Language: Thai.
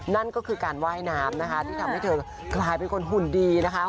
นั่นก็คือการว่ายน้ำนะคะที่ทำให้เธอกลายเป็นคนหุ่นดีนะคะ